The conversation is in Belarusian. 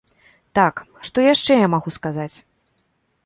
Так, што яшчэ я магу сказаць?